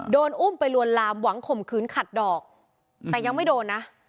โดนอุ้มไปลวนลามหวังข่มขืนขัดดอกแต่ยังไม่โดนนะ